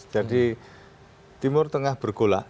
jadi timur tengah bergola